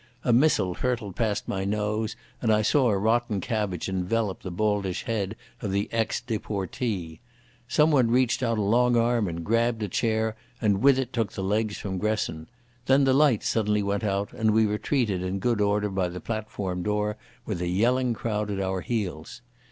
A missile hurtled past my nose, and I saw a rotten cabbage envelop the baldish head of the ex deportee. Someone reached out a long arm and grabbed a chair, and with it took the legs from Gresson. Then the lights suddenly went out, and we retreated in good order by the platform door with a yelling crowd at our heels.